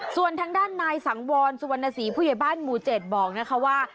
ส่วนทางด้านนายสังวรสุวรรณสีผู้ใหญ่บ้านหมู่๗บอกนะคะว่า